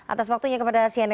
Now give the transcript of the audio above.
atas waktunya kepada siapa